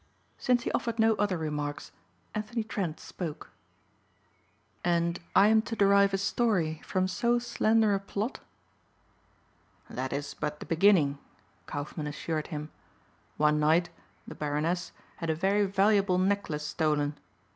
Since he offered no other remarks Anthony Trent spoke. "And I am to derive a story from so slender a plot." "That is but the beginning," Kaufmann assured him. "One night the Baroness had a very valuable necklace stolen.